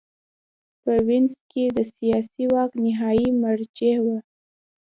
په وینز کې د سیاسي واک نهايي مرجع وه